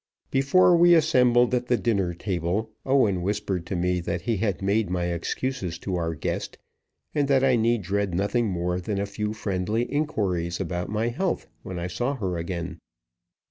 Before we assembled at the dinner table, Owen whispered to me that he had made my excuses to our guest, and that I need dread nothing more than a few friendly inquiries about my health when I saw her again.